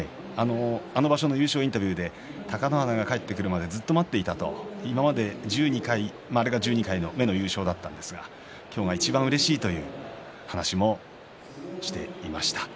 あの場所の優勝インタビューで、貴乃花が帰ってくるまでずっと待っていたとあれが１２回目の優勝だったんですが、今日がいちばんうれしいという話もしていました。